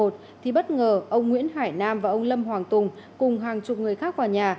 thì bất ngờ ông nguyễn hải nam và ông lâm hoàng tùng cùng hàng chục người khác vào nhà